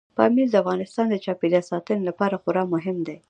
پامیر د افغانستان د چاپیریال ساتنې لپاره خورا مهم دی.